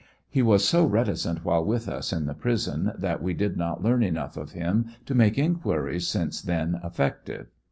He was so reticent while with us in the prison, that we did not learn enough of him to make inquiries since then effective.